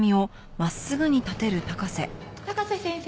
高瀬先生